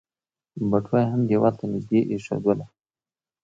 بټوه يې هم ديوال ته نږدې ايښودله.